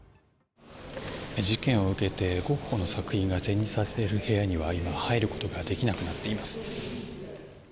事件を受けてゴッホの作品が展示されている部屋には今、入ることができなくなっています。